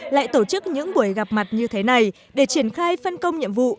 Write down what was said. lại tổ chức những buổi gặp mặt như thế này để triển khai phân công nhiệm vụ